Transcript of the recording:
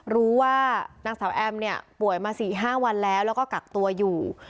รู้ว่านางสาวแอมเนี่ยป่วยมา๔๕วันแล้วแล้วก็กักตัวอยู่